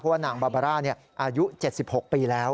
ว่านางบาบาร่าอายุ๗๖ปีแล้ว